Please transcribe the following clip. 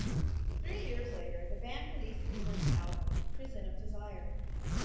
Three years later the band released its first album, "Prison of Desire".